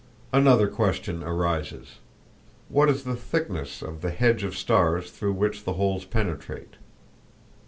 Another question arises: What is the thickness of the hedge of stars through which the holes penetrate?